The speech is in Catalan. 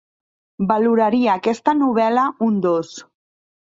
Valoraria aquesta novel·la un dos